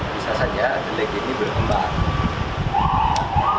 bisa saja delik ini berkembang